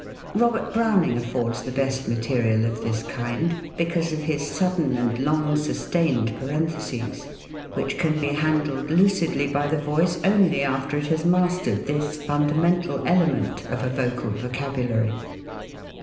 Robert Browning affords the best material of this kind, because of his sudden and long sustained parentheses, which can be handled lucidly by the voice only after it has mastered this fundamental element of a vo cal vocabulary.